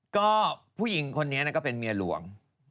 ก็ผู้หญิงคนนี้ก็เป็นเมียหลวง